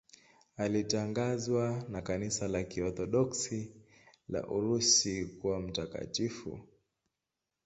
Alitangazwa na Kanisa la Kiorthodoksi la Urusi kuwa mtakatifu.